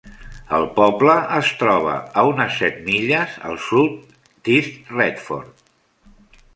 El poble es troba a unes set milles al sud d'East Retford.